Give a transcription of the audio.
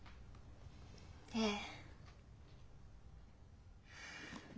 ええ。